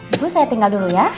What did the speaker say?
dulu saya tinggal dulu ya